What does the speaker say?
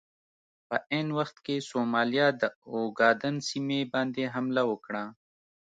په عین وخت کې سومالیا د اوګادن سیمې باندې حمله وکړه.